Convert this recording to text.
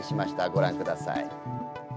ご覧ください。